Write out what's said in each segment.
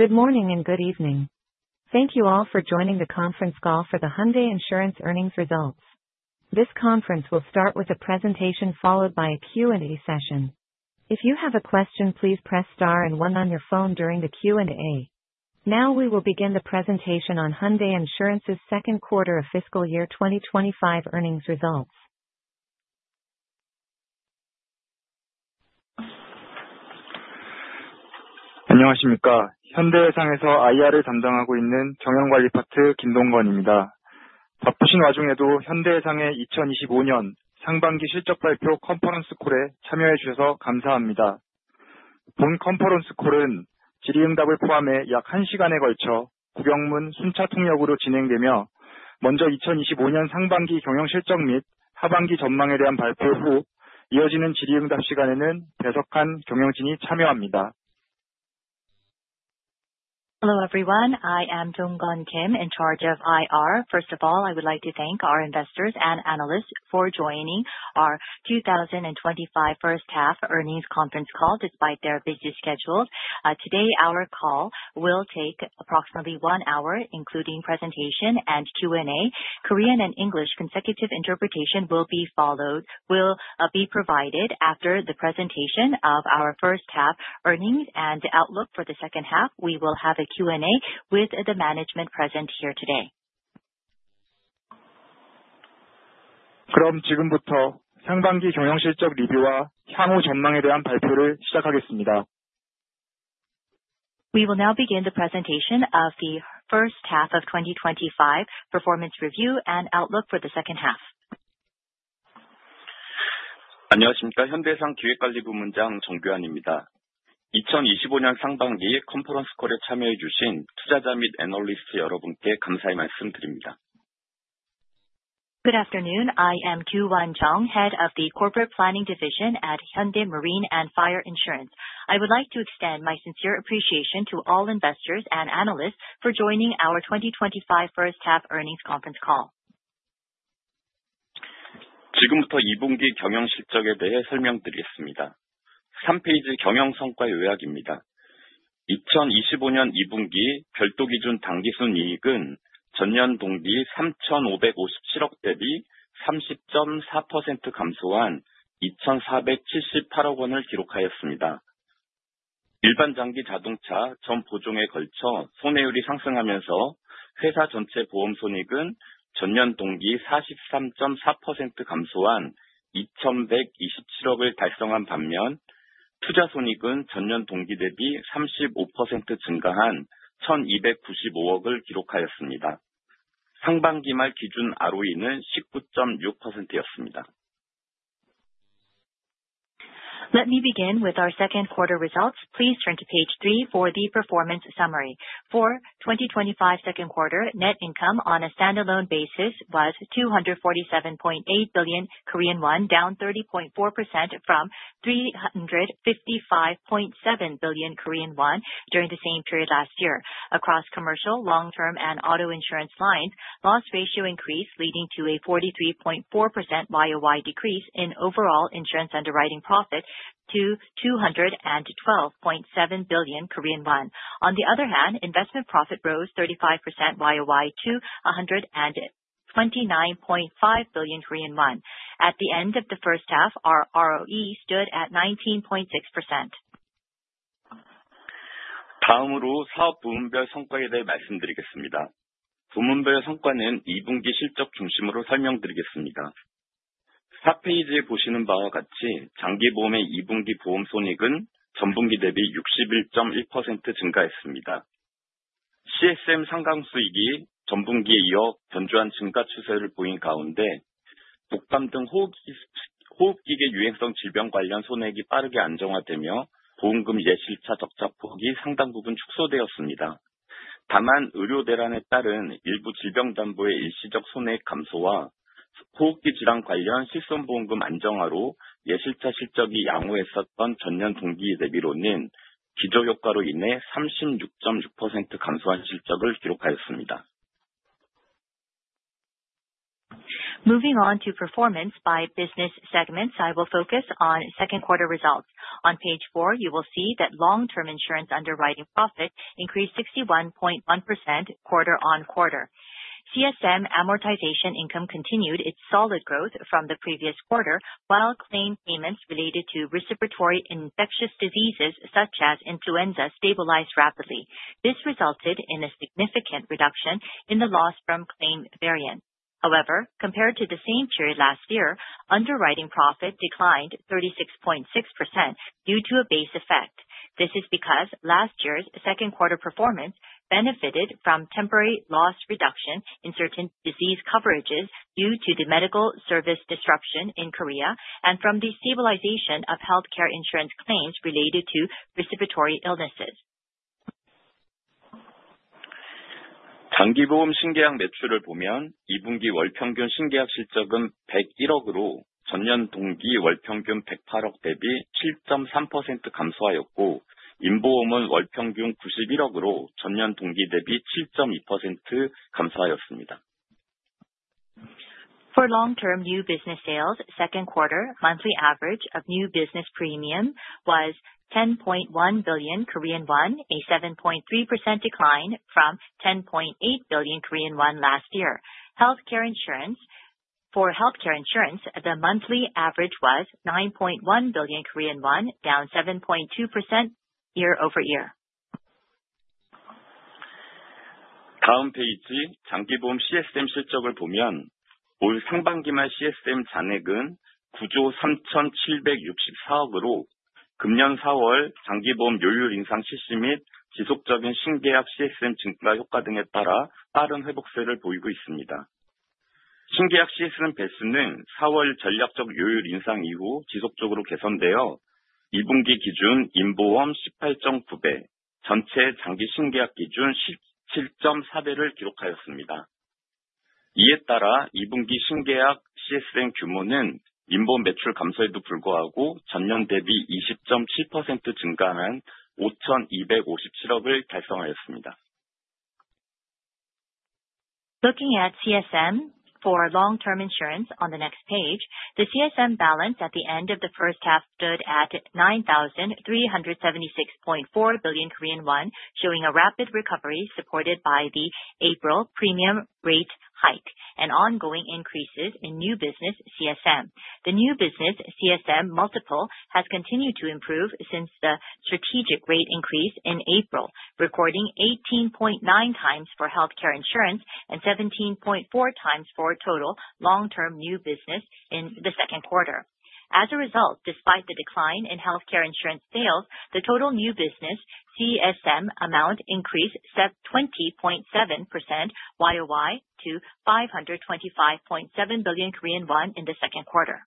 Good morning and good evening. Thank you all for joining the conference call for the Hyundai Insurance earnings results. This conference will start with a presentation followed by a Q&A session. If you have a question, please press star and one on your phone during the Q&A. Now we will begin the presentation on Hyundai Insurance's second quarter of fiscal year 2025 earnings results. 안녕하십니까? Hyundai Marine & Fire Insurance에서 IR을 담당하고 있는 경영관리파트 Dong-gun Kim입니다. 바쁘신 와중에도 Hyundai Marine & Fire Insurance의 2025년 상반기 실적 발표 컨퍼런스 콜에 참여해 주셔서 감사합니다. 본 컨퍼런스 콜은 질의응답을 포함해 약 1시간에 걸쳐 Gu Byeong-mun 순차통역으로 진행되며, 먼저 2025년 상반기 경영실적 및 하반기 전망에 대한 발표 후 이어지는 질의응답 시간에는 배석한 경영진이 참여합니다. Hello, everyone. I am Dong-gun Kim in charge of IR. First of all, I would like to thank our investors and analysts for joining our 2025 first half earnings conference call despite their busy schedules. Today our call will take approximately one hour, including presentation and Q&A. Korean and English consecutive interpretation will be provided after the presentation of our first half earnings and outlook for the second half. We will have a Q&A with the management present here today. 지금부터 상반기 경영실적 리뷰와 향후 전망에 대한 발표를 시작하겠습니다. We will now begin the presentation of the first half of 2025 performance review and outlook for the second half. 안녕하십니까? 현대상 기획관리부문장 정규완입니다. 이천이십오 년 상반기 컨퍼런스 콜에 참여해 주신 투자자 및 애널리스트 여러분께 감사의 말씀드립니다. Good afternoon. I am Kyuwan Jeong, Head of the Corporate Planning Division at Hyundai Marine & Fire Insurance. I would like to extend my sincere appreciation to all investors and analysts for joining our 2025 first half earnings conference call. 지금부터 2Q 경영실적에 대해 설명드리겠습니다. 3 페이지 경영 성과 요약입니다. 2025년 2Q 별도 기준 당기순이익은 전년 동기 KRW 3,557억 대비 30.4% 감소한 KRW 2,478억 원을 기록하였습니다. 일반 장기 자동차 전 보종에 걸쳐 손해율이 상승하면서 회사 전체 보험 손익은 전년 동기 43.4% 감소한 KRW 2,127억을 달성한 반면, 투자 손익은 전년 동기 대비 35% 증가한 KRW 1,295억을 기록하였습니다. 상반기 말 기준 ROE는 19.6%였습니다. Let me begin with our second quarter results. Please turn to page three for the performance summary. For 2025 second quarter, net income on a standalone basis was 247.8 billion Korean won, down 30.4% from 355.7 billion Korean won during the same period last year. Across commercial, long term and auto insurance lines, loss ratio increased, leading to a 43.4% YoY decrease in overall insurance underwriting profit to KRW 212.7 billion. On the other hand, investment profit rose 35% YoY to 129.5 billion Korean won. At the end of the first half, our ROE stood at 19.6%. 사업 부문별 성과에 대해 말씀드리겠습니다. 부문별 성과는 2분기 실적 중심으로 설명드리겠습니다. 4페이지에 보시는 바와 같이 장기보험의 2분기 보험 손익은 전분기 대비 61.1% 증가했습니다. CSM 상감수익이 전분기에 이어 견조한 증가 추세를 보인 가운데 독감 등 호흡기계 유행성 질병 관련 손해액이 빠르게 안정화되며 보험금 예실차 적자 폭이 상당 부분 축소되었습니다. 의료 대란에 따른 일부 질병 담보의 일시적 손해액 감소와 호흡기 질환 관련 실손보험금 안정화로 예실차 실적이 양호했었던 전년 동기 대비로는 기저효과로 인해 36.6% 감소한 실적을 기록하였습니다. Moving on to performance by business segments. I will focus on second quarter results. On page four, you will see that long term insurance underwriting profit increased 61.1% quarter-on-quarter. CSM amortization income continued its solid growth from the previous quarter, while claim payments related to respiratory infectious diseases, such as influenza, stabilized rapidly. This resulted in a significant reduction in the loss from claim variance. However, compared to the same period last year, underwriting profit declined 36.6% due to a base effect. This is because last year's second quarter performance benefited from temporary loss reduction in certain disease coverages due to the medical service disruption in Korea and from the stabilization of healthcare insurance claims related to respiratory illnesses. 단기보험 신계약 매출을 보면, 이 분기 월평균 신계약 실적은 10.1 billion으로 전년 동기 월평균 10.8 billion 대비 7.3% 감소하였고, 임보험은 월평균 9.1 billion으로 전년 동기 대비 7.2% 감소하였습니다. For long-term new business sales, second quarter monthly average of new business premium was 10.1 billion Korean won, a 7.3% decline from 10.8 billion Korean won last year. Healthcare insurance. For healthcare insurance, the monthly average was 9.1 billion Korean won, down year-over-year. Looking at CSM for long-term insurance on the next page, the CSM balance at the end of the first half stood at 9,376.4 billion Korean won, showing a rapid recovery supported by the April premium rate hike and ongoing increases in new business CSM. The new business CSM multiple has continued to improve since the strategic rate increase in April, recording 18.9x for healthcare insurance and 17.4x for total long-term new business in the second quarter. As a result, despite the decline in healthcare insurance sales, the total new business CSM amount increased 20.7% YoY to KRW 525.7 billion in the second quarter.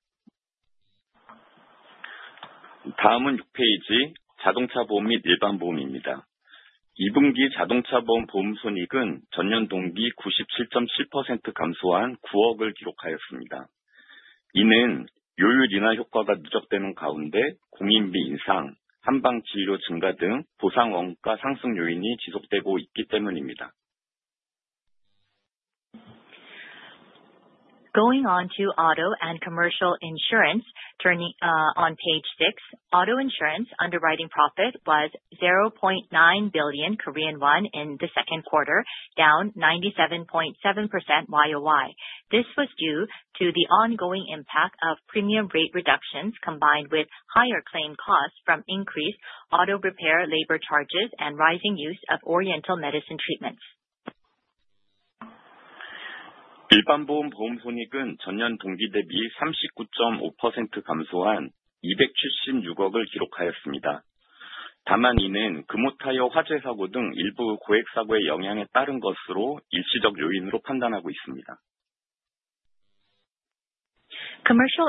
Going on to auto and commercial insurance, turning on page six. Auto insurance underwriting profit was 0.9 billion Korean won in the second quarter, down 97.7% YoY. This was due to the ongoing impact of premium rate reductions combined with higher claim costs from increased auto repair labor charges and rising use of Korean medicine treatments. Commercial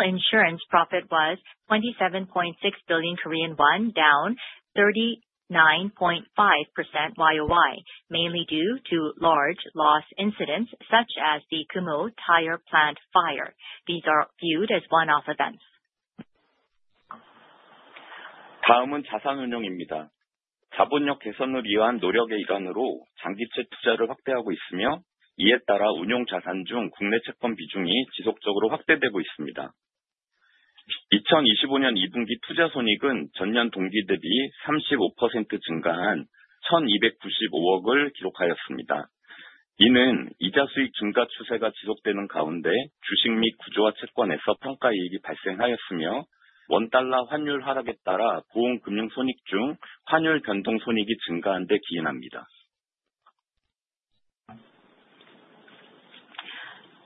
insurance profit was KRW 27.6 billion, down 39.5% YoY, mainly due to large loss incidents such as the Kumho Tire plant fire. These are viewed as one-off events.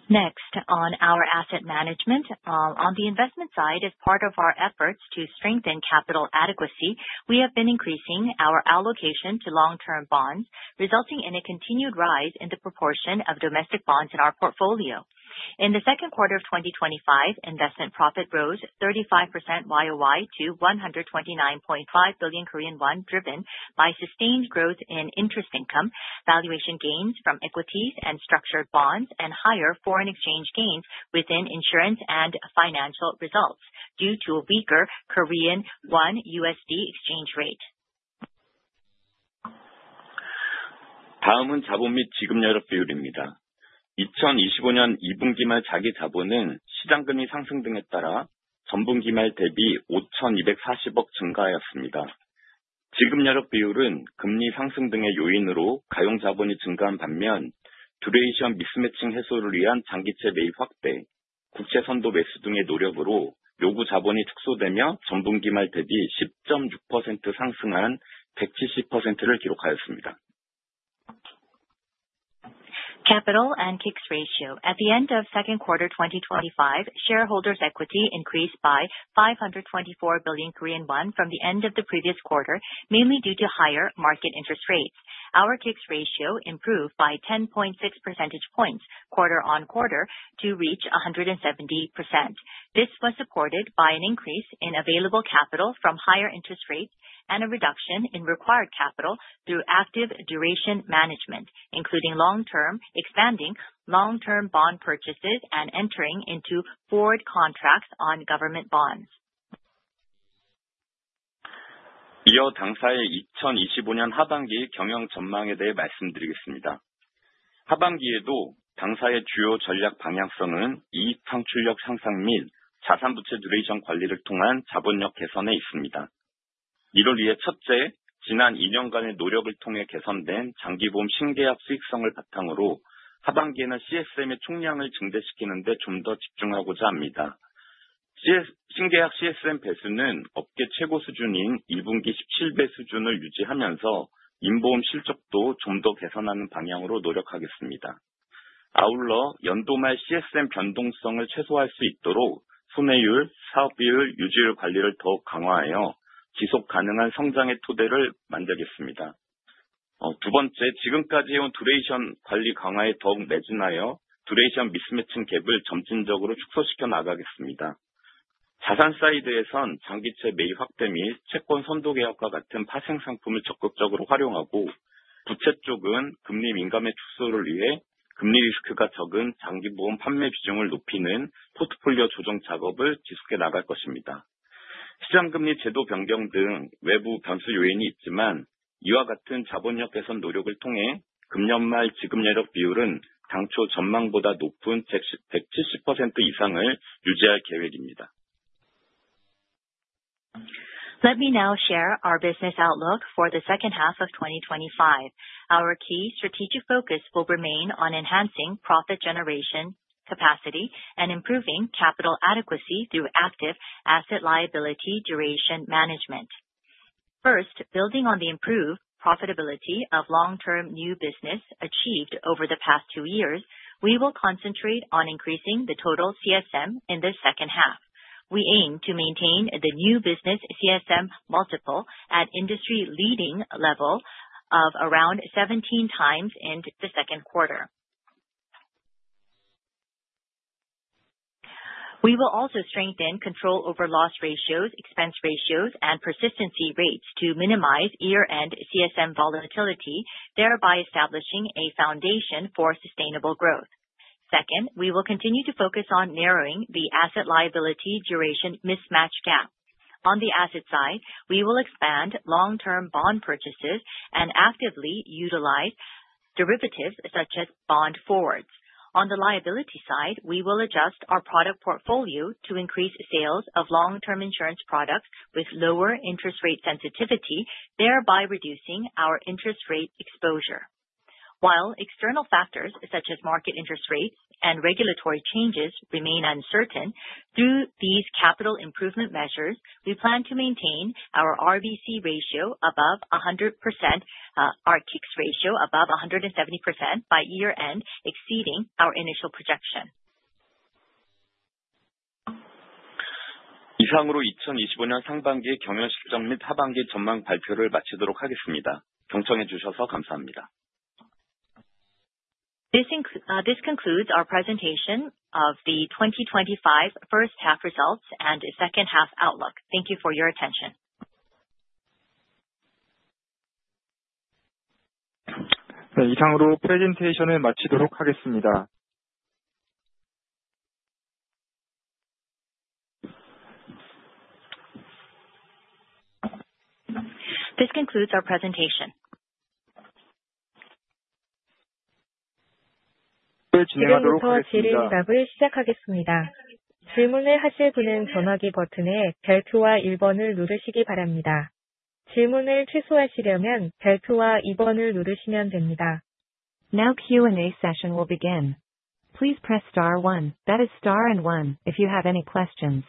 Next, on our asset management. On the investment side, as part of our efforts to strengthen capital adequacy, we have been increasing our allocation to long-term bonds, resulting in a continued rise in the proportion of domestic bonds in our portfolio. In the second quarter of 2025, investment profit rose 35% YOY to KRW 129.5 billion, driven by sustained growth in interest income, valuation gains from equities and structured bonds, and higher foreign exchange gains within insurance and financial results due to a weaker Korean won USD exchange rate. Capital and K-ICS ratio. At the end of second quarter 2025, shareholders equity increased by 524 billion Korean won from the end of the previous quarter, mainly due to higher market interest rates. Our K-ICS ratio improved by 10.6 percentage points quarter-on-quarter to reach 170%. This was supported by an increase in available capital from higher interest rates and a reduction in required capital through active duration management, including long-term, expanding long-term bond purchases and entering into forward contracts on government bonds. Let me now share our business outlook for the second half of 2025. Our key strategic focus will remain on enhancing profit generation capacity and improving capital adequacy through active asset liability duration management. First, building on the improved profitability of long-term new business achieved over the past two years, we will concentrate on increasing the total CSM in the second half. We aim to maintain the new business CSM multiple at industry-leading level of around 17x in the second quarter. We will also strengthen control over loss ratios, expense ratios and persistency rates to minimize year-end CSM volatility, thereby establishing a foundation for sustainable growth. Second, we will continue to focus on narrowing the asset liability duration mismatch gap. On the asset side, we will expand long-term bond purchases and actively utilize derivatives such as bond forwards. On the liability side, we will adjust our product portfolio to increase sales of long-term insurance products with lower interest rate sensitivity, thereby reducing our interest rate exposure. While external factors such as market interest rates and regulatory changes remain uncertain, through these capital improvement measures, we plan to maintain our RBC ratio above 100%, our K-ICS ratio above 170% by year-end, exceeding our initial projection. This concludes our presentation of the 2025 first half results and second half outlook. Thank you for your attention. This concludes our presentation. Now Q&A session will begin. Please press star one, that is star and one, if you have any questions.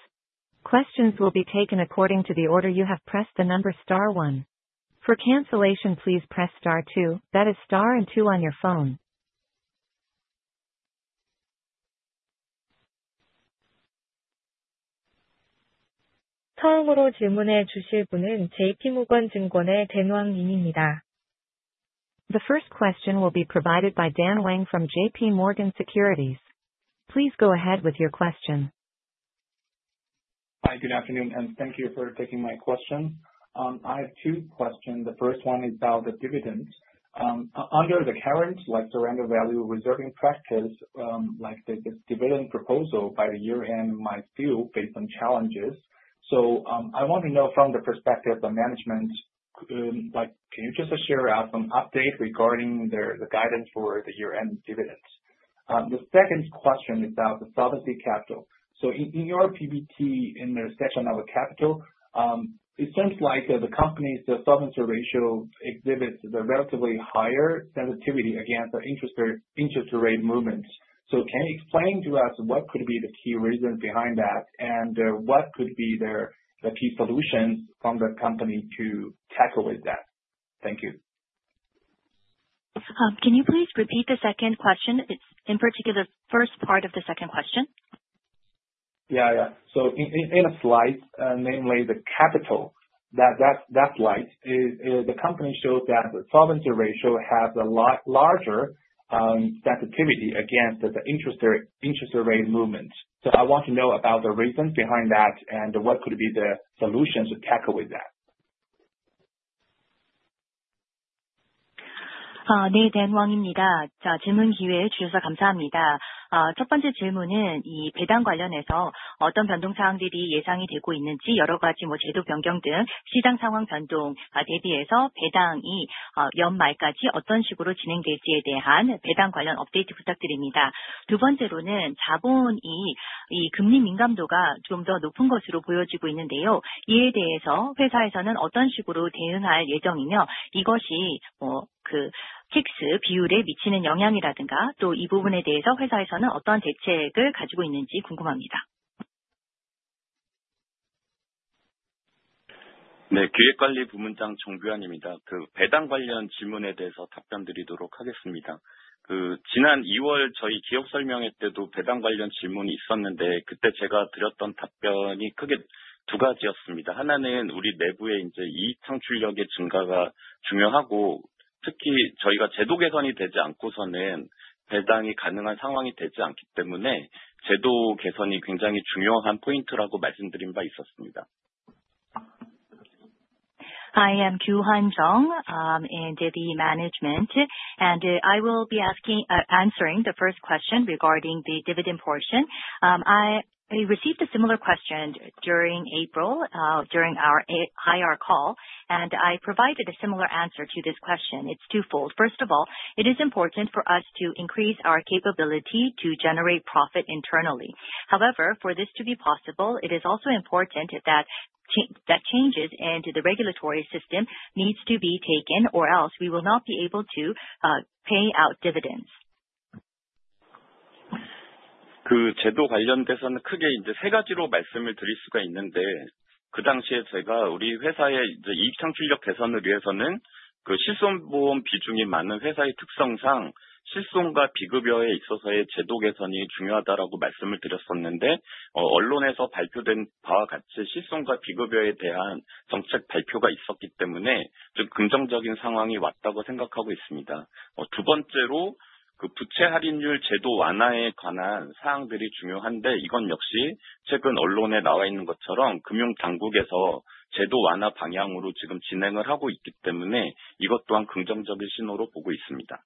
Questions will be taken according to the order you have pressed the number star one. For cancellation, please press star two, that is star and two on your phone. The first question will be provided by Dan Wang from J.P. Morgan Securities. Please go ahead with your question. Hi, good afternoon, and thank you for taking my question. I have two questions. The first one is about the dividends. Under the current like surrender value reserving practice, like the dividend proposal by the year-end might still face some challenges. I want to know from the perspective of management, like can you just share out some update regarding the guidance for the year-end dividends? The second question is about the solvency capital. In, in your PBT in the section of capital, it seems like the company's solvency ratio exhibits the relatively higher sensitivity against the interest rate movements. Can you explain to us what could be the key reasons behind that and what could be the key solutions from the company to tackle with that? Thank you. Can you please repeat the second question? It's, in particular, first part of the second question. Yeah. Yeah. In a slide, namely the capital that slide is the company shows that the solvency ratio has a lot larger sensitivity against the interest rate movement. I want to know about the reasons behind that and what could be the solution to tackle with that. Dan Wang입니다. 질문 기회 주셔서 감사합니다. 첫 번째 질문은 이 배당 관련해서 어떤 변동 사항들이 예상이 되고 있는지 여러 가지 제도 변경 등 시장 상황 변동과 대비해서 배당이 연말까지 어떤 식으로 진행될지에 대한 배당 관련 업데이트 부탁드립니다. 두 번째로는 자본이 이 금리 민감도가 좀더 높은 것으로 보여지고 있는데요. 이에 대해서 회사에서는 어떤 식으로 대응할 예정이며, 이것이 픽스 비율에 미치는 영향이라든가, 또이 부분에 대해서 회사에서는 어떠한 대책을 가지고 있는지 궁금합니다. 네, 기획관리부문장 정규환입니다. 그 배당 관련 질문에 대해서 답변드리도록 하겠습니다. 그 지난 이월 저희 기업 설명회 때도 배당 관련 질문이 있었는데 그때 제가 드렸던 답변이 크게 두 가지였습니다. 하나는 우리 내부에 이제 이익 창출력의 증가가 중요하고, 특히 저희가 제도 개선이 되지 않고서는 배당이 가능한 상황이 되지 않기 때문에 제도 개선이 굉장히 중요한 포인트라고 말씀드린 바 있었습니다. I am Kyuwan Jeong, in duty management and I will be answering the first question regarding the dividend portion. I received a similar question during April, during our IR call, and I provided a similar answer to this question. It's two fold. It is important for us to increase our capability to generate profit internally. For this to be possible, it is also important that changes into the regulatory system needs to be taken, or else we will not be able to pay out dividends. 그 제도 관련돼서는 크게 이제 세 가지로 말씀을 드릴 수가 있는데 그 당시에 제가 우리 회사의 이제 이익창출력 개선을 위해서는 그 실손보험 비중이 많은 회사의 특성상 실손과 비급여에 있어서의 제도 개선이 중요하다라고 말씀을 드렸었는데, 언론에서 발표된 바와 같이 실손과 비급여에 대한 정책 발표가 있었기 때문에 좀 긍정적인 상황이 왔다고 생각하고 있습니다. 두 번째로 그 부채 할인율 제도 완화에 관한 사항들이 중요한데, 이것 역시 최근 언론에 나와 있는 것처럼 금융당국에서 제도 완화 방향으로 지금 진행을 하고 있기 때문에 이것 또한 긍정적인 신호로 보고 있습니다.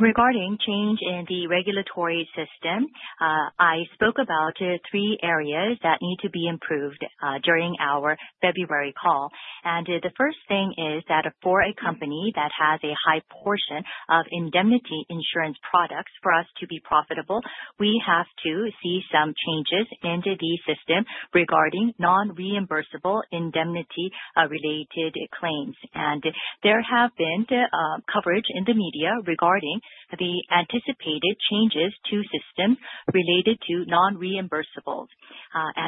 Regarding change in the regulatory system, I spoke about three areas that need to be improved during our February call. The first thing is that for a company that has a high portion of indemnity insurance products, for us to be profitable, we have to see some changes into the system regarding non-reimbursable indemnity related claims. There have been coverage in the media regarding the anticipated changes to system related to non-reimbursable.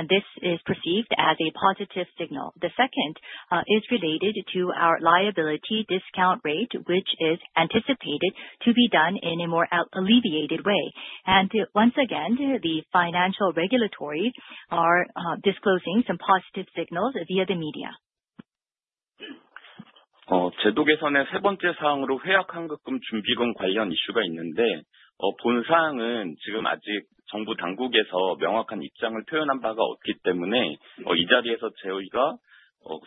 This is perceived as a positive signal. The second is related to our liability discount rate, which is anticipated to be done in a more alleviated way. Once again, the financial regulatory are disclosing some positive signals via the media. 제도 개선의 세 번째 사항으로 해약환급금준비금 관련 이슈가 있는데, 본 사항은 지금 아직 정부 당국에서 명확한 입장을 표현한 바가 없기 때문에 이 자리에서 저희가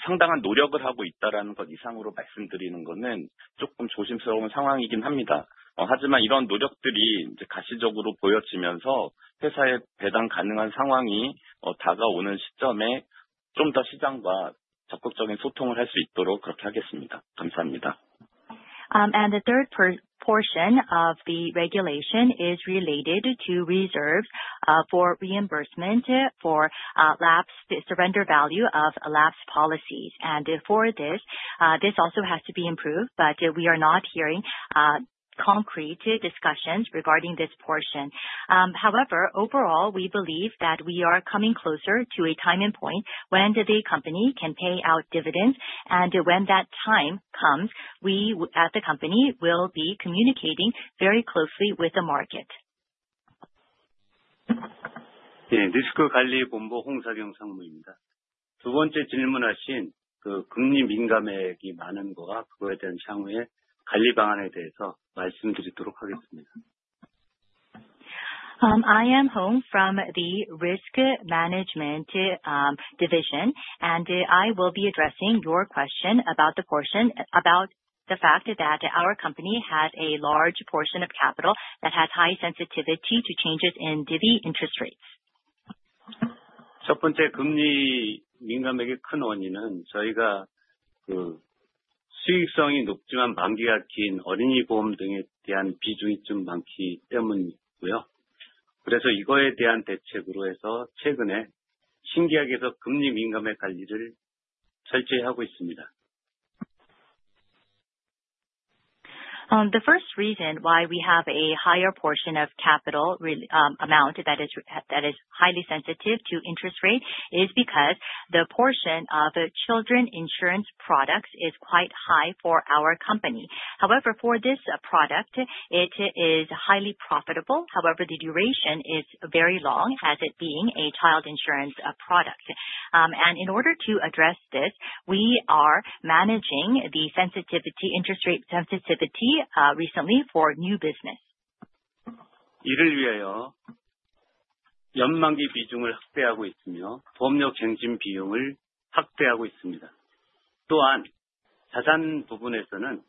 상당한 노력을 하고 있다라는 것 이상으로 말씀드리는 거는 조금 조심스러운 상황이긴 합니다. 이런 노력들이 이제 가시적으로 보여지면서 회사에 배당 가능한 상황이 다가오는 시점에 좀더 시장과 적극적인 소통을 할수 있도록 그렇게 하겠습니다. 감사합니다. The third portion of the regulation is related to reserve for reimbursement for lapsed, the surrender value of lapsed policies. For this also has to be improved, but we are not hearing concrete discussions regarding this portion. However, overall, we believe that we are coming closer to a time and point when the company can pay out dividends. When that time comes, we at the company will be communicating very closely with the market. 예, Risk Management Division Hong Seok-yong 상무입니다. 두 번째 질문하신 그 금리 민감액이 많은 거와 그거에 대한 향후의 관리 방안에 대해서 말씀드리도록 하겠습니다. I am Hong from the Risk Management Division, and I will be addressing your question about the portion, about the fact that our company has a large portion of capital that has high sensitivity to changes in interest rates. 첫 번째 금리 민감액의 큰 원인은 저희가 그 수익성이 높지만 만기가 긴 어린이 보험 등에 대한 비중이 좀 많기 때문이고요. 이거에 대한 대책으로 해서 최근에 신규 계약에서 금리 민감해 관리를 철저히 하고 있습니다. The first reason why we have a higher portion of capital amount that is highly sensitive to interest rate is because the portion of children insurance products is quite high for our company. For this product, it is highly profitable. The duration is very long as it being a child insurance product. In order to address this, we are managing the sensitivity, interest rate sensitivity, recently for new business. 이를 위하여 연만기 비중을 확대하고 있으며 보험료 갱신 비용을 확대하고 있습니다. 또한 자산 부분에서는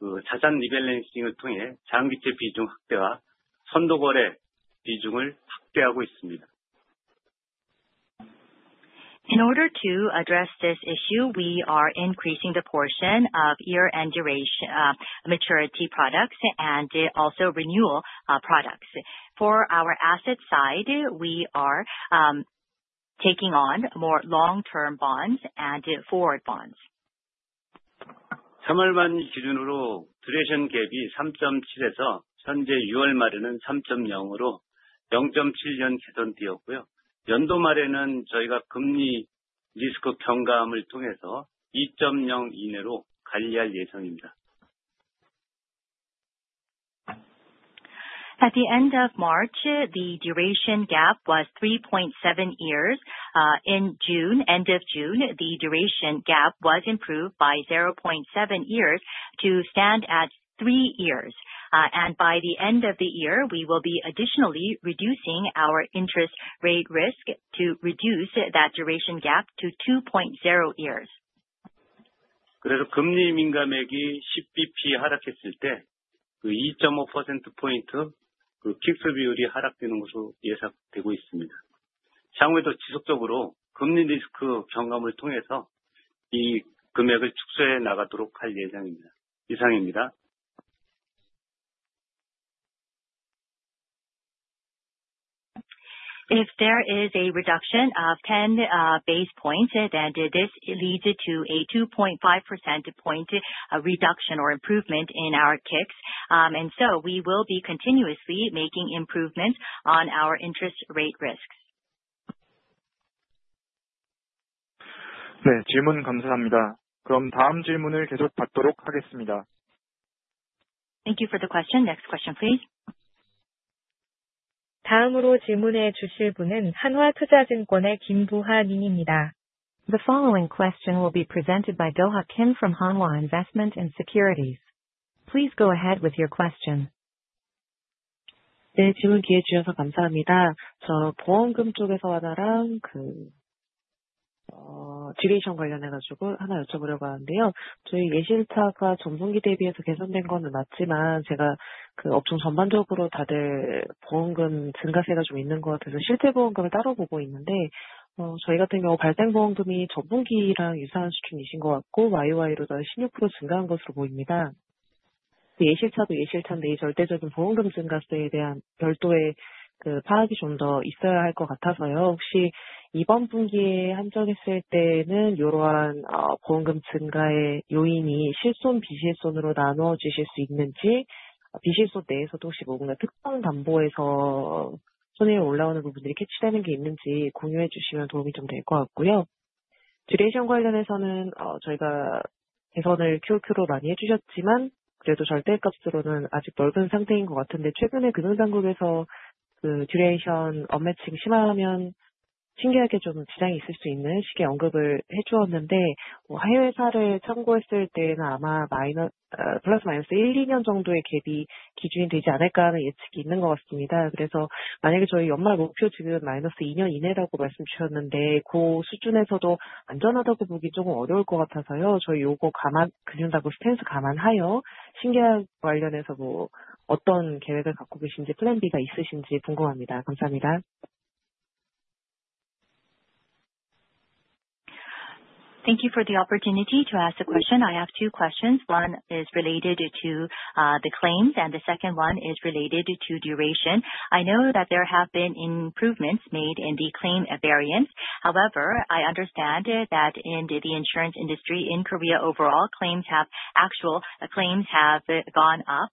그 자산 리밸런싱을 통해 장기채 비중 확대와 선도거래 비중을 확대하고 있습니다. In order to address this issue, we are increasing the portion of year-end maturity products and also renewal, products. For our asset side, we are taking on more long-term bonds and forward bonds. 3월 말 기준으로 듀레이션 갭이 삼점 칠에서 현재 6월 말에는 삼점 영으로 영점 칠년 개선되었고요. 연도 말에는 저희가 금리 리스크 경감을 통해서 이점 영 이내로 관리할 예정입니다. At the end of March, the duration gap was 3.7 years. In June, end of June, the duration gap was improved by 0.7 years to stand at three years. By the end of the year, we will be additionally reducing our interest rate risk to reduce that duration gap to 2.0 years. 금리 민감액이 10 BPs 하락했을 때그 2.5 percentage points 그 픽스 비율이 하락되는 것으로 예상되고 있습니다. 향후에도 지속적으로 금리 리스크 경감을 통해서 이 금액을 축소해 나가도록 할 예정입니다. 이상입니다. If there is a reduction of 10 basis points, then this leads to a 2.5% point reduction or improvement in our K-ICS. We will be continuously making improvements on our interest rate risks. 네, 질문 감사합니다. 다음 질문을 계속 받도록 하겠습니다. Thank you for the question. Next question, please. 다음으로 질문해 주실 분은 한화투자증권의 김도하 님입니다. The following question will be presented by Do-ha Kim from Hanwha Investment & Securities. Please go ahead with your question. 네, 질문 기회 주셔서 감사합니다. 저 보험금 쪽에서 하나랑 그, 듀레이션 관련해가지고 하나 여쭤보려고 하는데요. 저희 예실차가 전분기에 비해서 개선된 거는 맞지만 제가 그 업종 전반적으로 다들 보험금 증가세가 좀 있는 것 같아서 실제 보험금을 따로 보고 있는데, 저희 같은 경우 발생 보험금이 전분기랑 유사한 수준이신 것 같고, YOY로도 한 16% 증가한 것으로 보입니다. 예실차도 예실차인데 절대적인 보험금 증가세에 대한 별도의 파악이 좀더 있어야 할것 같아서요. 혹시 이번 분기에 한정했을 때는 이러한 보험금 증가의 요인이 실손, 비실손으로 나누어 주실 수 있는지, 비실손 내에서도 혹시 특정 담보에서 손해율 올라오는 부분들이 캐치되는 게 있는지 공유해 주시면 도움이 좀될것 같고요. 듀레이션 관련해서는, 저희가 개선을 QOQ로 많이 해주셨지만 그래도 절대값으로는 아직 넓은 상태인 것 같은데 최근에 금융당국에서 그 듀레이션 언매칭 심화하면 신계약에 조금 지장이 있을 수 있는 식의 언급을 해주었는데, 해외사를 참고했을 때는 아마 마이너스, 플러스 마이너스 1, 2년 정도의 갭이 기준이 되지 않을까 하는 예측이 있는 것 같습니다. 만약에 저희 연말 목표치로는 마이너스 2년 이내라고 말씀주셨는데 그 수준에서도 안전하다고 보기 조금 어려울 것 같아서요. 저희 이거 감안, 금융당국 스탠스 감안하여 신계약 관련해서 뭐 어떤 계획을 갖고 계신지, 플랜B가 있으신지 궁금합니다. 감사합니다. Thank you for the opportunity to ask a question. I have two questions. One is related to the claims and the second one is related to duration. I know that there have been improvements made in the claim variance. However, I understand that in the insurance industry in Korea, overall claims have actual claims have gone up.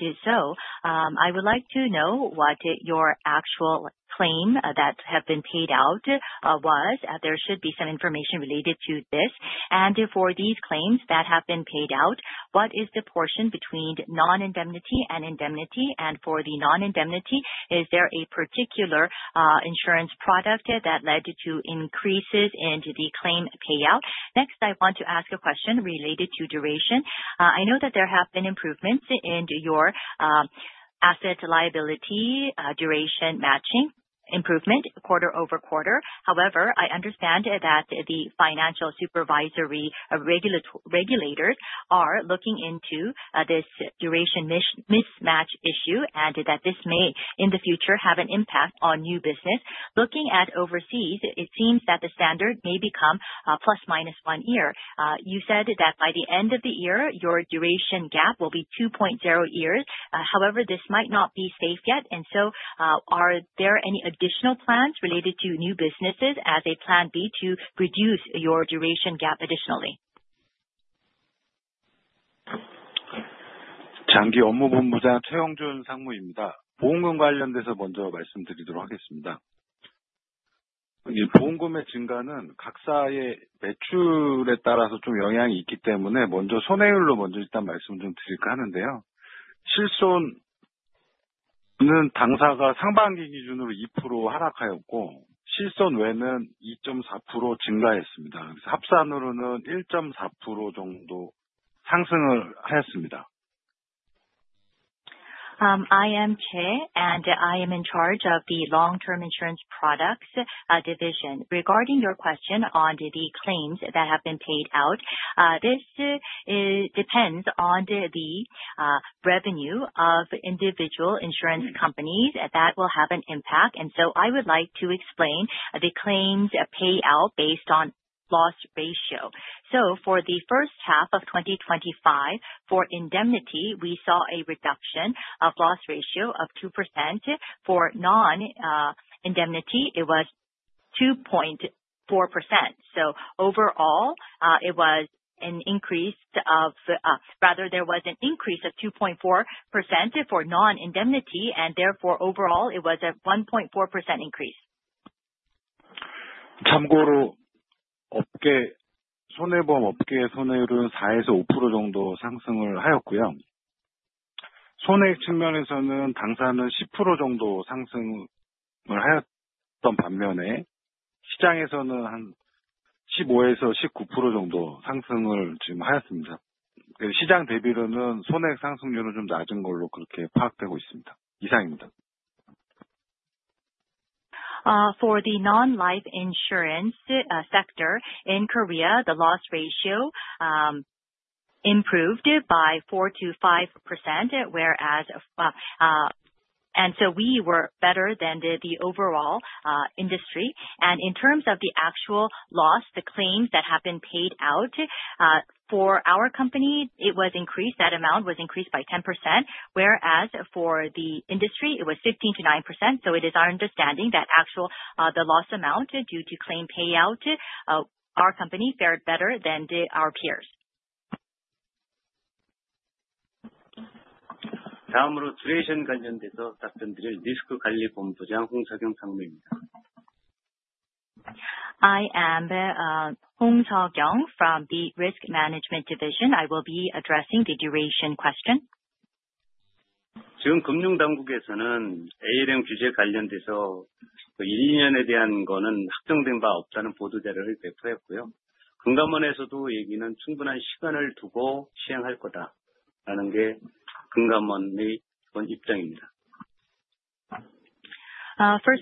If so, I would like to know what your actual claim that have been paid out was. There should be some information related to this. For these claims that have been paid out, what is the portion between non-indemnity and indemnity? For the non-indemnity, is there a particular insurance product that led to increases into the claim payout? Next, I want to ask a question related to duration. I know that there have been improvements into your asset liability duration matching improvement quarter-over-quarter. I understand that the Financial Supervisory regulators are looking into this duration mismatch issue and that this may, in the future, have an impact on new business. Looking at overseas, it seems that the standard may become ±1 year. You said that by the end of the year, your duration gap will be 2.0 years. This might not be safe yet. Are there any additional plans related to new businesses as a plan B to reduce your duration gap additionally? 장기 업무본부장 최영준 상무입니다. 보험금 관련해서 먼저 말씀드리도록 하겠습니다. 이 보험금의 증가는 각 사의 매출에 따라서 좀 영향이 있기 때문에 먼저 손해율로 먼저 일단 말씀을 좀 드릴까 하는데요. 실손은 당사가 상반기 기준으로 2% 하락하였고, 실손 외는 2.4% 증가했습니다. 합산으로는 1.4% 정도 상승을 하였습니다. I am Choi. I am in charge of the long-term insurance products division. Regarding your question on the claims that have been paid out, this depends on the revenue of individual insurance companies. That will have an impact. I would like to explain the claims payout based on loss ratio. For the first half of 2025, for indemnity, we saw a reduction of loss ratio of 2%. For non-indemnity, it was 2.4%. Overall, there was an increase of 2.4% for non-indemnity and therefore overall it was a 1.4% increase. For the non-life insurance sector in Korea, the loss ratio improved by 4%-5% whereas we were better than the overall industry. In terms of the actual loss, the claims that have been paid out for our company, it was increased. That amount was increased by 10%, whereas for the industry it was 15%-9%. It is our understanding that actual the loss amount due to claim payout, our company fared better than did our peers. I am Hong Seok-yong from the Risk Management Division. I will be addressing the duration question. First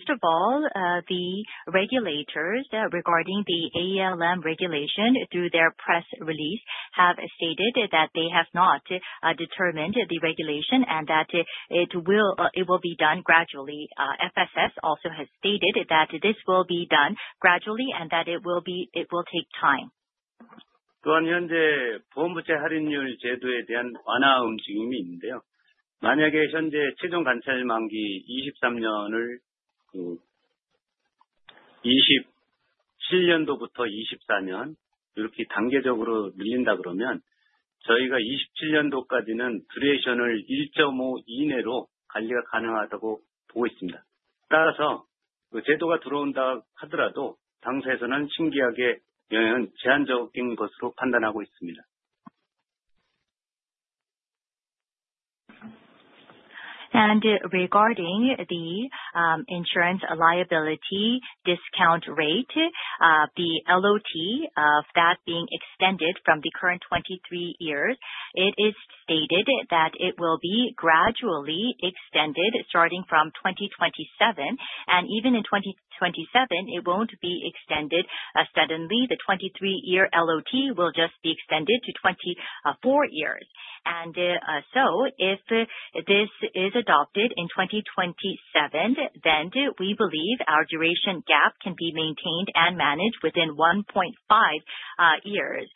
of all, the regulators regarding the ALM regulation through their press release, have stated that they have not determined the regulation and that it will be done gradually. FSS also has stated that this will be done gradually and that it will be, it will take time. Regarding the insurance liability discount rate, the LOT of that being extended from the current 23 years, it is stated that it will be gradually extended starting from 2027. Even in 2027, it won't be extended suddenly. The 23-year LOT will just be extended to 24 years. If this is adopted in 2027, then we believe our duration gap can be maintained and managed within 1.5 years.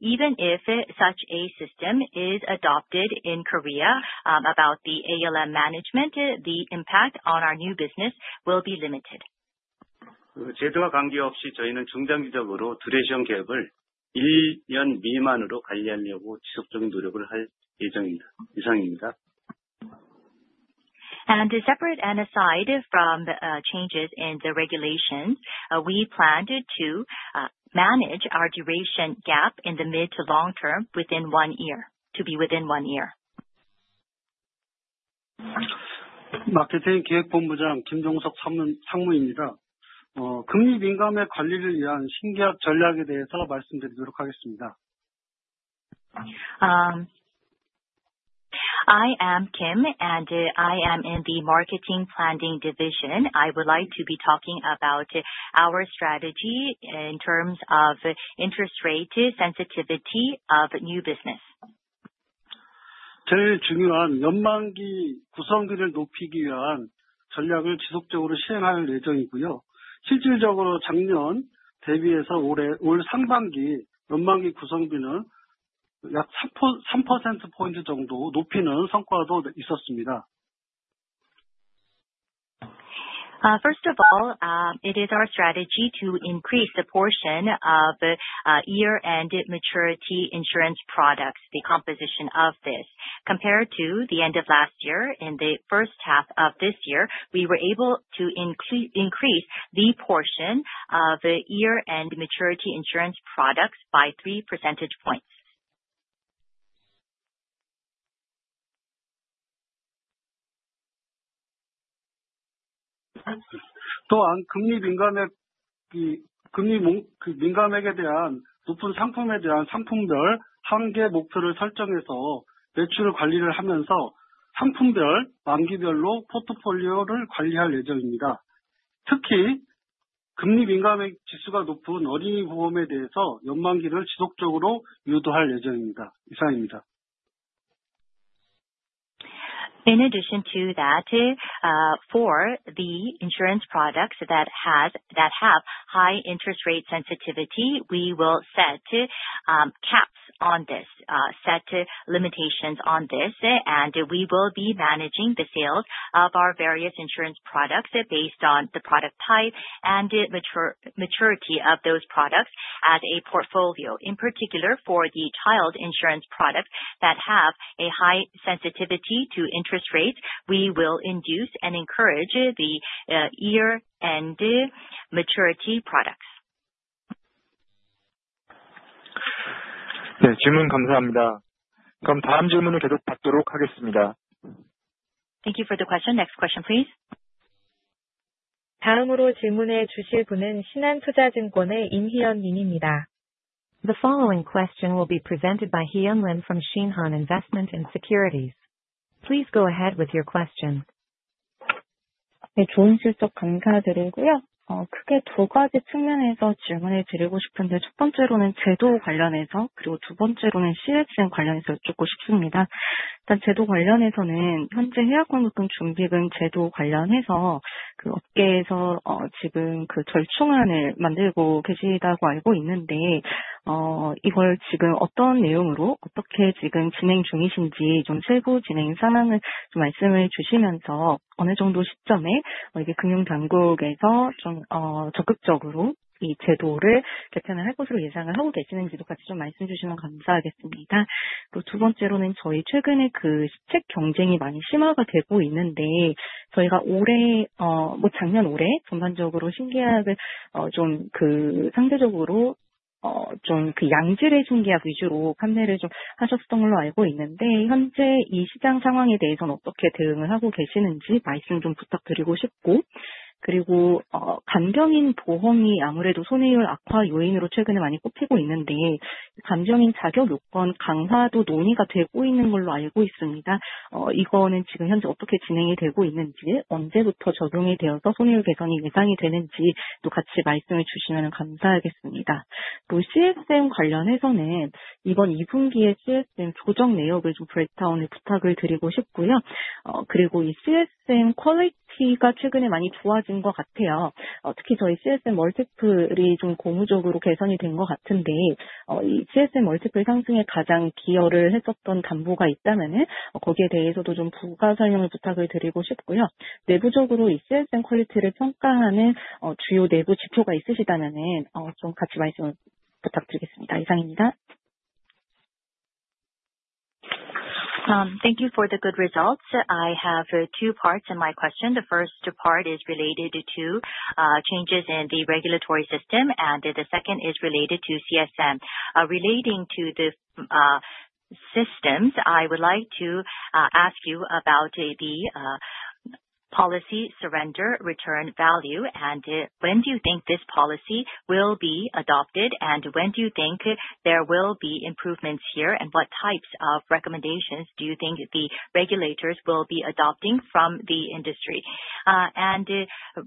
Even if such a system is adopted in Korea, about the ALM management, the impact on our new business will be limited. Separate and aside from the changes in the regulation, we plan to manage our duration gap in the mid to long term within one year. I am Kim, and I am in the marketing planning division. I would like to be talking about our strategy in terms of interest rate sensitivity of new business. First of all, it is our strategy to increase the portion of year-end maturity insurance products, the composition of this. Compared to the end of last year, in the first half of this year, we were able to increase the portion of the year-end maturity insurance products by three percentage points. In addition to that, for the insurance products that have high interest rate sensitivity, we will set limitations on this. We will be managing the sales of our various insurance products based on the product type and the maturity of those products as a portfolio. In particular, for the child insurance products that have a high sensitivity to interest rates, we will induce and encourage the year-end maturity products. Thank you for the question. Next question, please. The following question will be presented by Hee-yeon Lim from Shinhan Investment and Securities. Please go ahead with your question. Thank you for the good results. I have two parts in my question. The first part is related to changes in the regulatory system and the second is related to CSM. Relating to the systems, I would like to ask you about the policy surrender return value. When do you think this policy will be adopted, and when do you think there will be improvements here? What types of recommendations do you think the regulators will be adopting from the industry?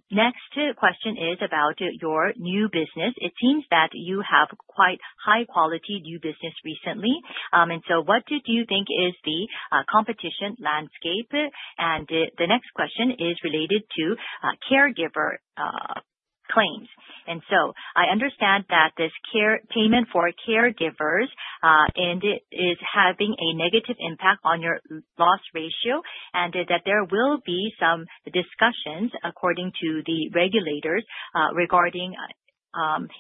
Next question is about your new business. It seems that you have quite high quality new business recently. What did you think is the competition landscape? The next question is related to caregiver claims. I understand that this care payment for caregivers, and it is having a negative impact on your loss ratio, and that there will be some discussions according to the regulators, regarding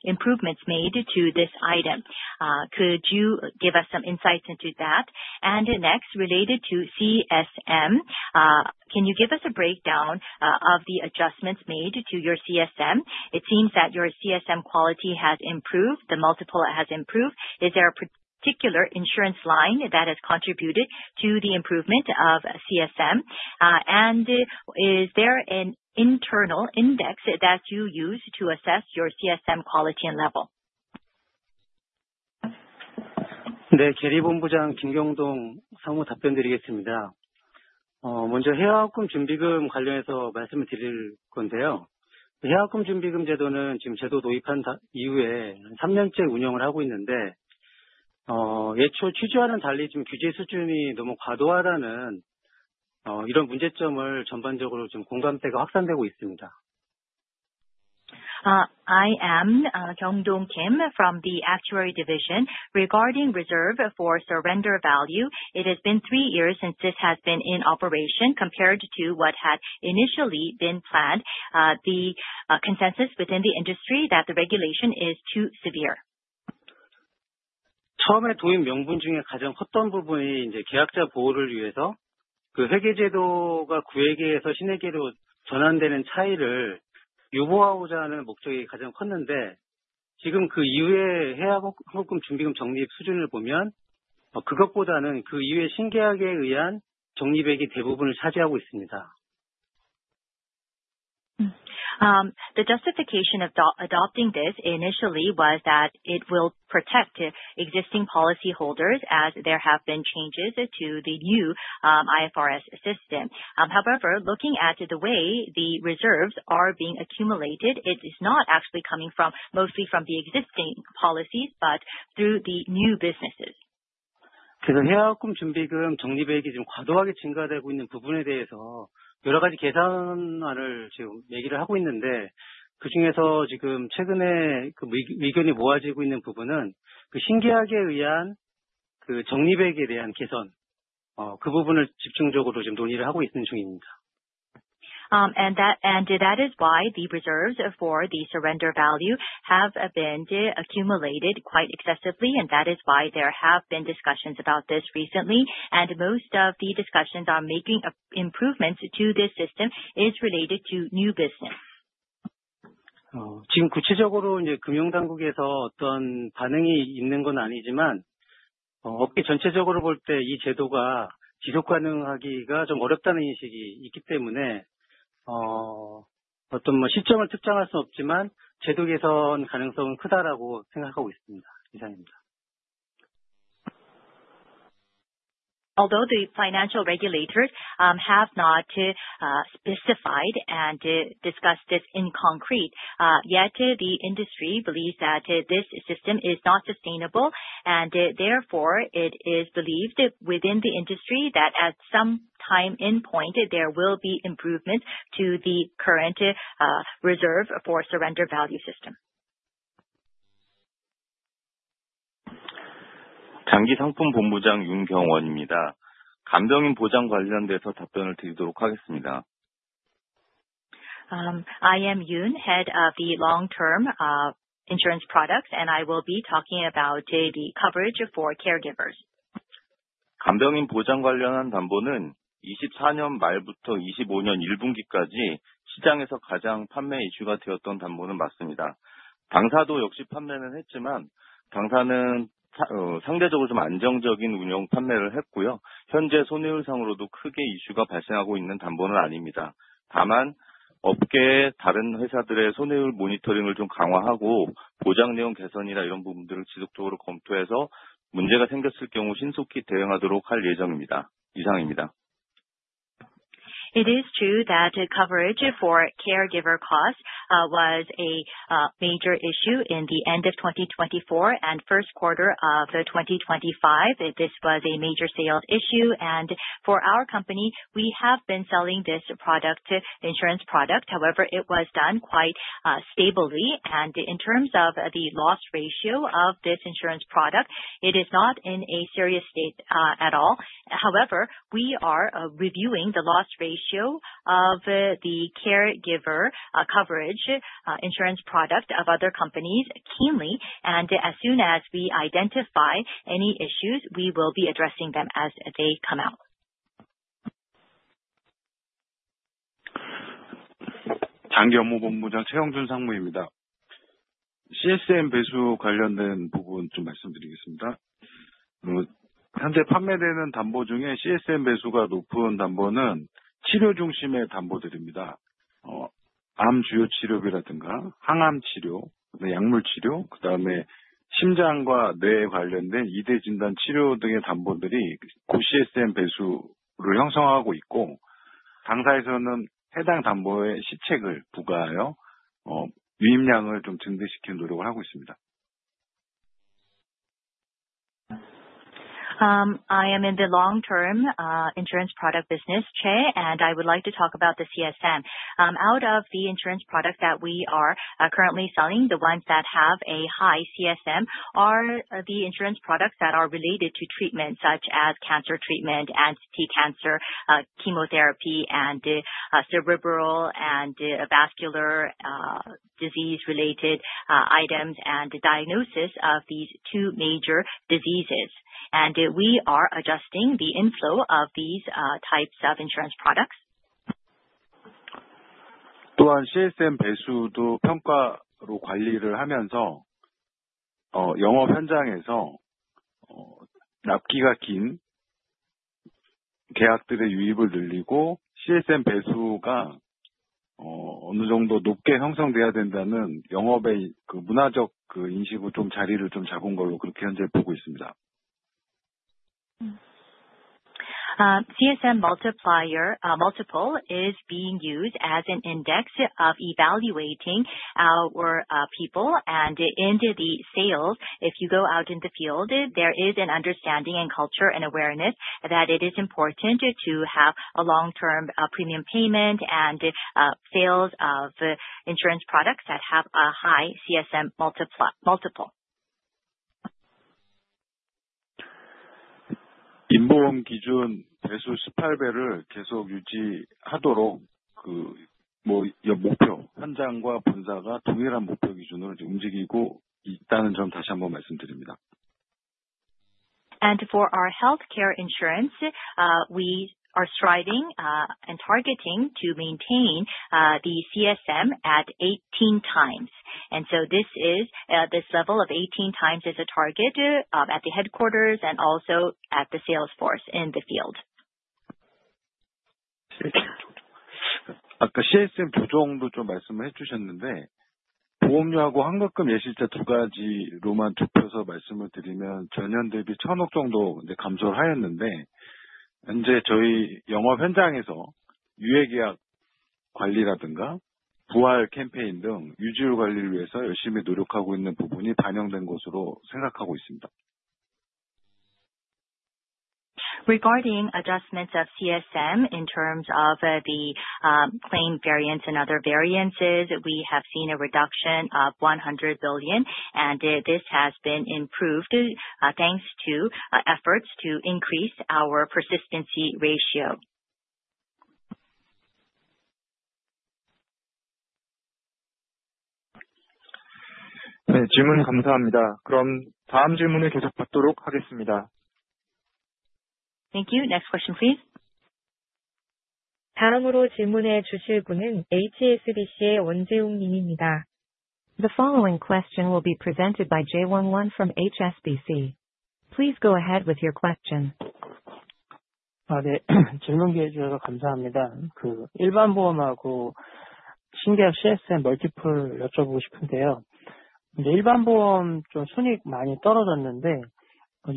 improvements made to this item. Could you give us some insights into that? Next, related to CSM, can you give us a breakdown of the adjustments made to your CSM? It seems that your CSM quality has improved, the multiple has improved. Is there a particular insurance line that has contributed to the improvement of CSM? Is there an internal index that you use to assess your CSM quality and level? I am Kyung-Dong Kim from the Actuarial Division regarding reserve for surrender value. It has been three years since this has been in operation. Compared to what had initially been planned, the consensus within the industry that the regulation is too severe. 지금 그 이후에 해약환급금준비금 적립 수준을 보면, 그것보다는 그 이후에 신계약에 의한 적립액이 대부분을 차지하고 있습니다. The justification of adopting this initially was that it will protect existing policyholders as there have been changes to the new IFRS system. Looking at the way the reserves are being accumulated, it is not actually coming from mostly from the existing policies but through the new businesses. 해약환급금준비금 적립액이 좀 과도하게 증가되고 있는 부분에 대해서 여러 가지 개선안을 지금 얘기를 하고 있는데, 그중에서 지금 최근에 그 의견이 모아지고 있는 부분은 그 신계약에 의한 그 적립액에 대한 개선, 그 부분을 집중적으로 지금 논의를 하고 있는 중입니다. That is why the reserves for the surrender value have been accumulated quite excessively, and that is why there have been discussions about this recently. Most of the discussions on making a improvements to this system is related to new business. 지금 구체적으로 이제 금융당국에서 어떤 반응이 있는 건 아니지만, 업계 전체적으로 볼때이 제도가 지속 가능하기가 좀 어렵다는 인식이 있기 때문에, 어떤 뭐 시점을 특정할 수 없지만 제도 개선 가능성은 크다라고 생각하고 있습니다. 이상입니다. Although the financial regulators, have not, specified and, discussed this in concrete, yet the industry believes that, this system is not sustainable. Therefore, it is believed, within the industry that at some time in point, there will be improvements to the current, reserve for surrender value system. 장기상품본부장 윤경원입니다. 간병인 보장 관련돼서 답변을 드리도록 하겠습니다. I am Yoon, head of the Long-Term Insurance Products, and I will be talking about the coverage for caregivers. 간병인 보장 관련한 담보는 2024년 말부터 2025년 1분기까지 시장에서 가장 판매 이슈가 되었던 담보는 맞습니다. 당사도 역시 판매는 했지만 당사는 상대적으로 좀 안정적인 운영 판매를 했고요. 현재 손해율 상으로도 크게 이슈가 발생하고 있는 담보는 아닙니다. 업계의 다른 회사들의 손해율 모니터링을 좀 강화하고 보장 내용 개선이나 이런 부분들을 지속적으로 검토해서 문제가 생겼을 경우 신속히 대응하도록 할 예정입니다. 이상입니다. It is true that coverage for caregiver costs was a major issue in the end of 2024 and first quarter of 2025. This was a major sales issue. For our company, we have been selling this product, insurance product. However, it was done quite stably. In terms of the loss ratio of this insurance product, it is not in a serious state at all. However, we are reviewing the loss ratio of the caregiver coverage insurance product of other companies keenly. As soon as we identify any issues, we will be addressing them as they come out. 장기영업본부장 최영준 상무입니다. CSM 배수 관련된 부분 좀 말씀드리겠습니다. 현재 판매되는 담보 중에 CSM 배수가 높은 담보는 치료 중심의 담보들입니다. 암 주요 치료비라든가 항암치료, 그 다음에 약물치료, 그 다음에 심장과 뇌 관련된 2 major 진단 치료 등의 담보들이 고CSM 배수로 형성하고 있고, 당사에서는 해당 담보의 시책을 부과하여, 유입량을 좀 증대시키는 노력을 하고 있습니다. I am in the Long-Term Insurance Product Business, Choi, and I would like to talk about the CSM. Out of the insurance product that we are currently selling, the ones that have a high CSM are the insurance products that are related to treatments such as cancer treatment, anti-cancer chemotherapy, and cerebral and vascular disease related items and diagnosis of these two major diseases. We are adjusting the inflow of these types of insurance products. CSM 배수도 평가로 관리를 하면서, 영업 현장에서, 납기가 긴 계약들의 유입을 늘리고 CSM 배수가 어느 정도 높게 형성되어야 된다는 영업의 그 문화적 그 인식을 좀 자리를 좀 잡은 걸로 그렇게 현재 보고 있습니다. CSM multiplier, multiple is being used as an index of evaluating our people and into the sales. If you go out in the field, there is an understanding and culture and awareness that it is important to have a long-term premium payment and sales of insurance products that have a high CSM multiple. 인보험 기준 배수 8x를 계속 유지하도록 목표 현장과 본사가 동일한 목표 기준으로 지금 움직이고 있다는 점 다시 한번 말씀드립니다. For our healthcare insurance, we are striving and targeting to maintain the CSM at 18x. This is, this level of 18x is a target at the headquarters and also at the sales force in the field. Regarding adjustments of CSM in terms of the claim variance and other variances, we have seen a reduction of 100 billion. This has been improved thanks to efforts to increase our persistency ratio. Thank you. Next question, please. The following question will be presented by Jae Won Lee from HSBC. Please go ahead with your question. Yeah.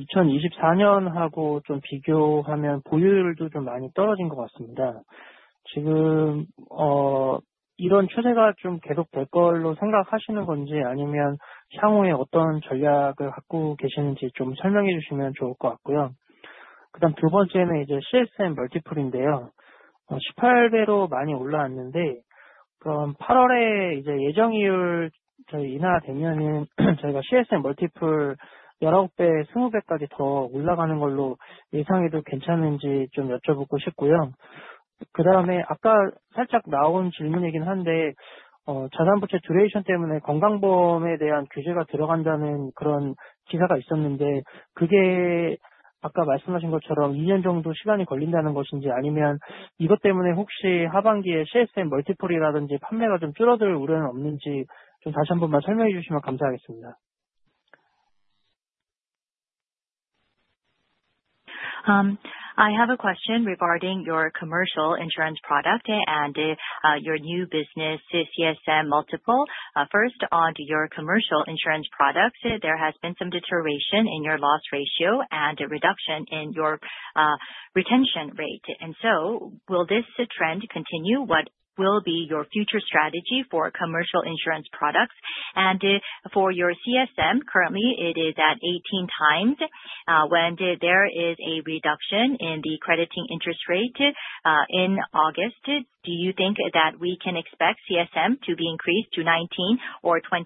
I am Lee from the commercial insurance product, and I will be addressing this question on deterioration of profitability and the reduction in your retention rate of commercial products.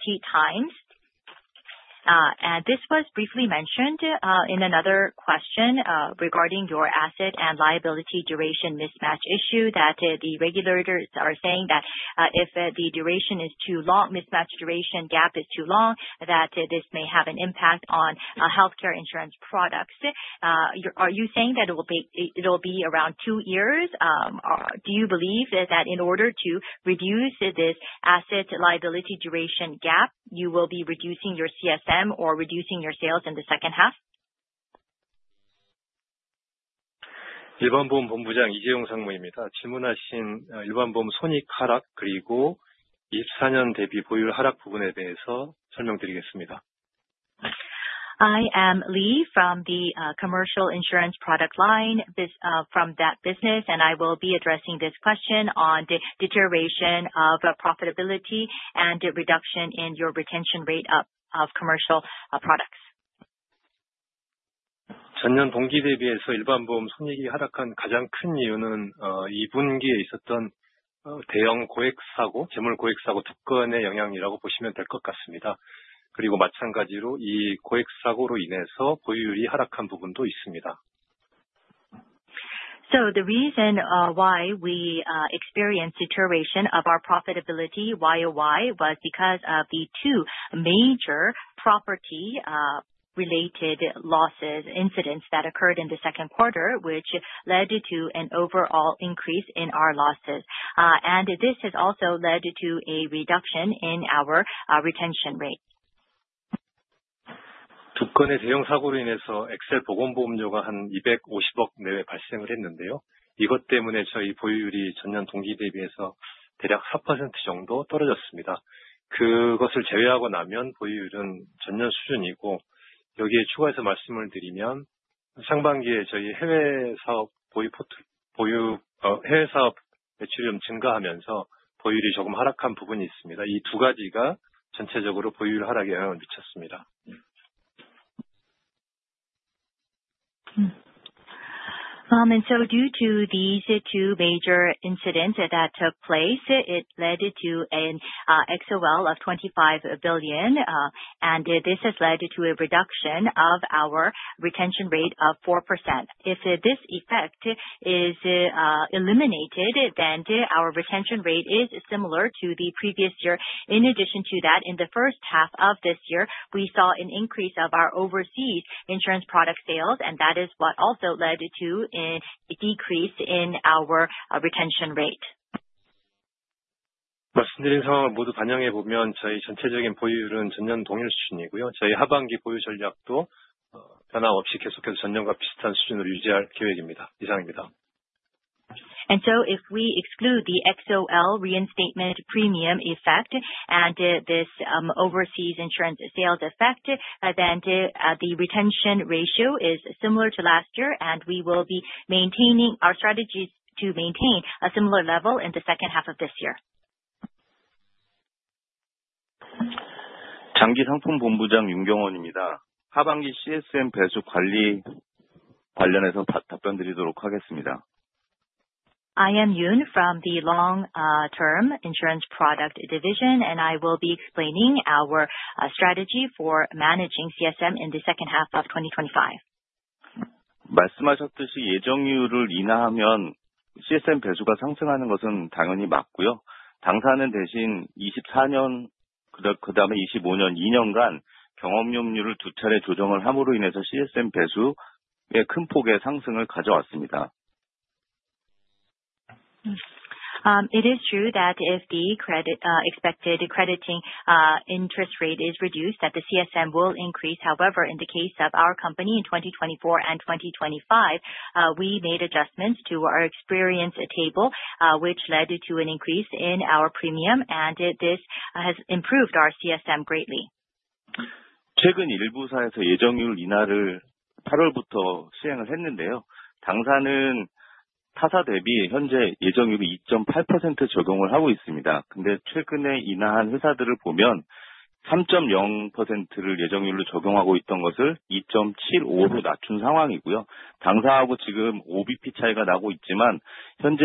The reason why we experienced deterioration of our profitability YoY was because of the two major property related losses incidents that occurred in the second quarter, which led to an overall increase in our losses. This has also led to a reduction in our retention rate. Due to these two major incidents that took place, it led to an XOL of 25 billion. This has led to a reduction of our retention rate of 4%. If this effect is eliminated, then our retention rate is similar to the previous year. In addition to that, in the first half of this year, we saw an increase of our overseas insurance product sales, and that is what also led to a decrease in our retention rate. current 상황을 모두 반영해 보면 저희 전체적인 보유율은 전년 동일 수준이고요. 저희 하반기 보유 전략도 변화 없이 계속해서 전년과 비슷한 수준을 유지할 계획입니다. 이상입니다. If we exclude the XOL reinstatement premium effect and this overseas insurance sales effect, the retention ratio is similar to last year and we will be maintaining our strategies to maintain a similar level in the second half of this year. 장기상품본부장 윤경원입니다. 하반기 CSM 배수 관리 관련해서 답변 드리도록 하겠습니다. I am Yoon from the Long Term Insurance Product Division, and I will be explaining our strategy for managing CSM in the second half of 2025. 말씀하셨듯이 예정률을 인하하면 CSM 배수가 상승하는 것은 당연히 맞고요. 당사는 대신 2024년 그 다음에 2025년, 2년간 경험요율을 2차례 조정을 함으로 인해서 CSM 배수의 큰 폭의 상승을 가져왔습니다. It is true that if the credit expected crediting interest rate is reduced that the CSM will increase. In the case of our company in 2024 and 2025, we made adjustments to our experience table, which led to an increase in our premium, and this has improved our CSM greatly. 최근 일부 사에서 예정률 인하를 August부터 시행을 했는데요. 당사는 타사 대비 현재 예정률이 2.8% 적용을 하고 있습니다. 최근에 인하한 회사들을 보면 3.0%를 예정률로 적용하고 있던 것을 2.75%로 낮춘 상황이고요. 당사하고 지금 OBP 차이가 나고 있지만 현재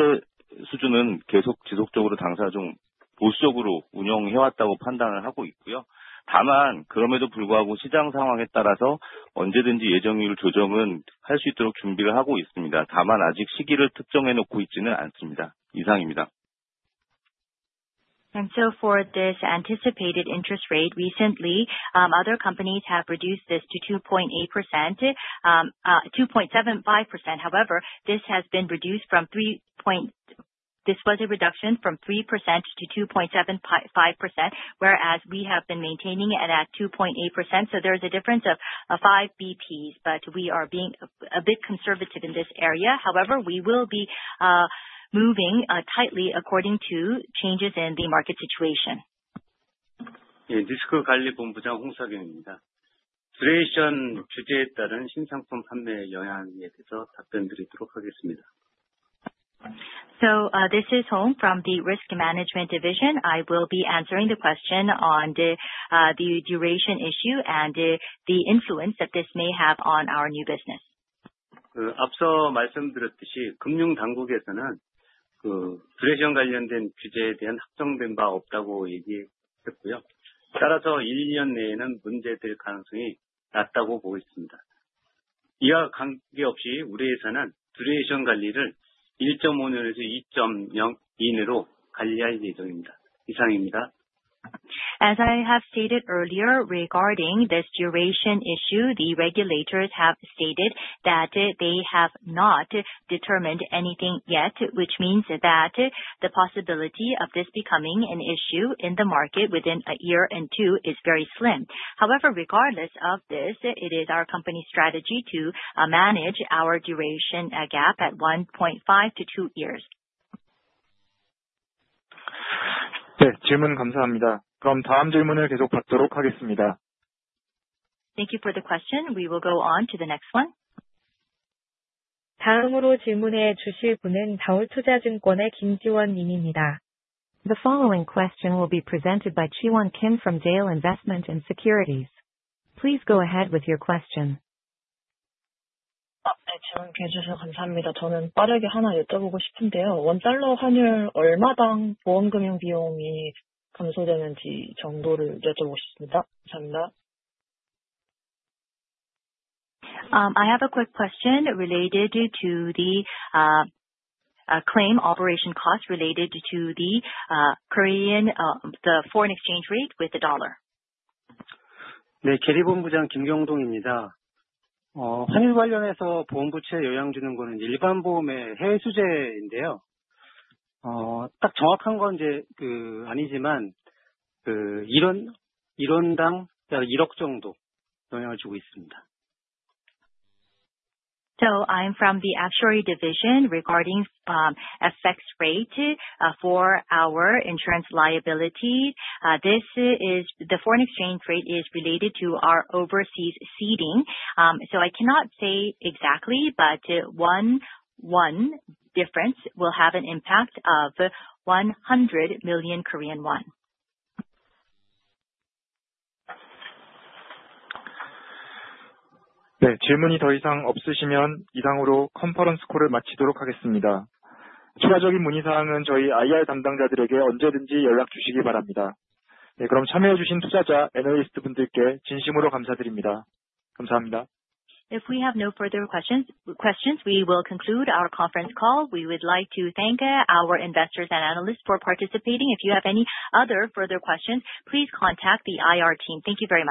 수준은 계속 지속적으로 당사 좀 보수적으로 운영해왔다고 판단을 하고 있고요. 그럼에도 불구하고 시장 상황에 따라서 언제든지 예정률 조정은 할수 있도록 준비를 하고 있습니다. 아직 시기를 특정해 놓고 있지는 않습니다. 이상입니다. For this anticipated interest rate recently, other companies have reduced this to 2.8%, 2.75%. However, this has been reduced from 3% to 2.75%, whereas we have been maintaining it at 2.8%. There is a difference of 5 basis points, but we are being a bit conservative in this area. However, we will be moving tightly according to changes in the market situation. 예, 리스크관리본부장 홍석현입니다. Duration 규제에 따른 신상품 판매 영향에 대해서 답변드리도록 하겠습니다. This is Hong from the Risk Management Division. I will be answering the question on the duration issue and, the influence that this may have on our new business. 앞서 말씀드렸듯이 금융당국에서는 duration 관련된 규제에 대한 확정된 바 없다고 얘기했고요. 1, 2년 내에는 문제 될 가능성이 낮다고 보고 있습니다. 이와 관계없이 우리 회사는 duration 관리를 1.5년에서 2.0 이내로 관리할 예정입니다. 이상입니다. As I have stated earlier regarding this duration issue, the regulators have stated that they have not determined anything yet, which means that the possibility of this becoming an issue in the market within one year and two is very slim. However, regardless of this, it is our company strategy to manage our duration gap at 1.5-two years. 네, 질문 감사합니다. 다음 질문을 계속 받도록 하겠습니다. Thank you for the question. We will go on to the next one. 다음으로 질문해 주실 분은 Daol Investment & Securities의 Jiwon Kim 님입니다. The following question will be presented by Jiwon Kim from Daol Investment and Securities. Please go ahead with your question. 아, 네. 지원 김주선, 감사합니다. 저는 빠르게 하나 여쭤보고 싶은데요. 원달러 환율 얼마당 보험 금융 비용이 감소되는지 정도를 여쭤보고 싶습니다. 감사합니다. I have a quick question related to the claim operation costs related to the Korean, the foreign exchange rate with the dollar. 재무본부장 김경동입니다. 환율 관련해서 보험 부채에 영향주는 거는 일반 보험의 해외 수제인데요. 딱 정확한 건 이제 아니지만, 1 KRW, per 1 100 million 정도 영향을 주고 있습니다. I'm from the Actuary Division regarding FX rate for our insurance liability. The foreign exchange rate is related to our overseas ceding. I cannot say exactly, but one difference will have an impact of 100 million Korean won. 질문이 더 이상 없으시면 이상으로 컨퍼런스 콜을 마치도록 하겠습니다. 추가적인 문의사항은 저희 IR 담당자들에게 언제든지 연락 주시기 바랍니다. 그럼 참여해 주신 투자자, 애널리스트분들께 진심으로 감사드립니다. 감사합니다. If we have no further questions, we will conclude our conference call. We would like to thank our investors and analysts for participating. If you have any other further questions, please contact the IR team. Thank you very much.